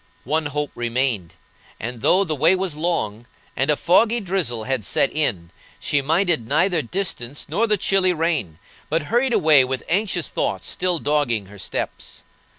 One hope remained, and, though the way was long, and a foggy drizzle had set in, she minded neither distance nor the chilly rain, but hurried away with anxious thoughts still dogging her steps.